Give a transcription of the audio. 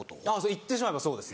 言ってしまえばそうです。